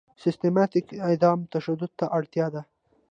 سیستماتیک عدم تشدد ته اړتیا ده.